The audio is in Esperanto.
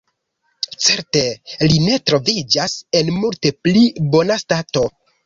Certe li ne troviĝas en multe pli bona stato.